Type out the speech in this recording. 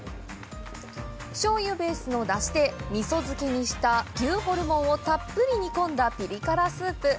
醤油ベースの出汁で、味噌漬けにした牛ホルモンをたっぷり煮込んだピリ辛スープ。